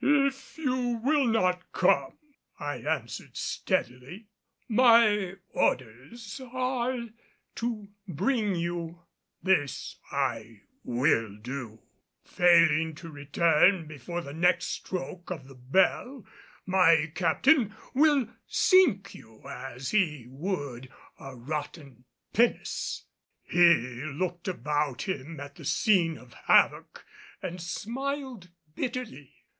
"If you will not come," I answered steadily, "my orders are to bring you, this I will do; failing to return before the next stroke of the bell, my captain will sink you as he would a rotten pinnace." He looked about him at the scene of havoc, and smiled bitterly.